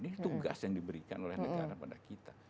ini tugas yang diberikan oleh negara pada kita